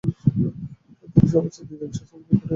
তারা সর্বশেষ নিজামের শাসনামলে কাঠের আসবাব তৈরি করেছিল।